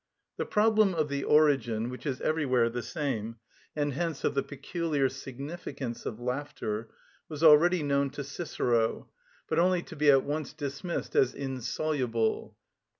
The problem of the origin, which is everywhere the same, and hence of the peculiar significance of laughter, was already known to Cicero, but only to be at once dismissed as insoluble (_De Orat.